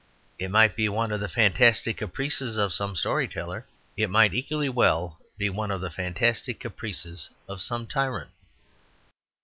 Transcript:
It might be one of the fantastic caprices of some story teller. It might equally well be one of the fantastic caprices of some tyrant.